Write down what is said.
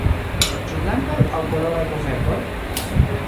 Ĉu blankaj aŭ koloraj kovertoj?